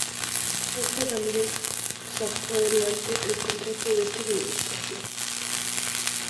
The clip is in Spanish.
Jorge Ramírez sacó adelante el contrato en esta administración.